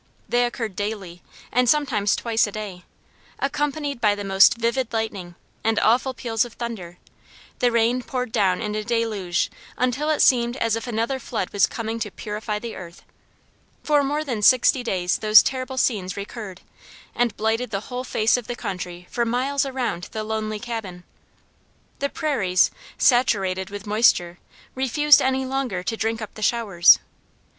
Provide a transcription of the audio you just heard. They occurred daily, and sometimes twice a day, accompanied by the most vivid lightning, and awful peals of thunder; the rain poured down in a deluge until it seemed as if another flood was coming to purify the earth. For more than sixty days those terrible scenes recurred, and blighted the whole face of the country for miles around the lonely cabin. The prairies, saturated with moisture, refused any longer to drink up the showers.